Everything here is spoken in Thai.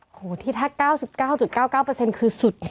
โอ้โฮที่ทัก๙๙๙๙คือสุด